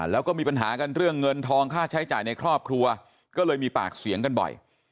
แล้วก็มีปัญหากันเรื่องเงินทองค่าใช้จ่ายในครอบครัวก็เลยมีปากเสียงกันบ่อย